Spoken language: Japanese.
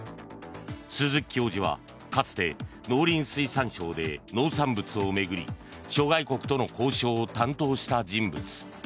鈴木教授は、かつて農林水産省で農産物を巡り諸外国との交渉を担当した人物。